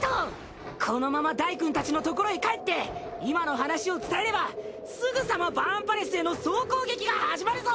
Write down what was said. このままダイくんたちのところへ帰って今の話を伝えればすぐさまバーンパレスへの総攻撃が始まるぞ。